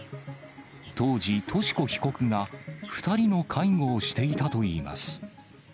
当時、とし子被告が２人の介護をしていたといいます。